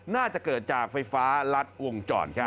น่าจะเกิดจากไฟฟ้ารัดวงจรครับ